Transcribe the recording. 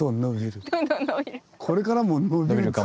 これからも伸びる。